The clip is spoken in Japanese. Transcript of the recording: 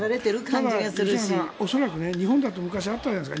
だから日本だと昔、あったじゃないですか。